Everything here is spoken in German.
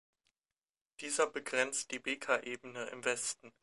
Dieser begrenzt die Bekaa-Ebene im Westen.